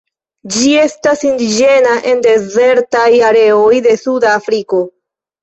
Ĝi estas indiĝena en dezertaj areoj de suda Afriko.